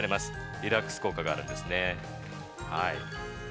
リラックス効果があるんですね。